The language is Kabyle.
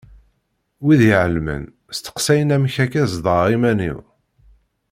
Wid iɛelmen steqsayen amek akka zedɣeɣ iman-iw.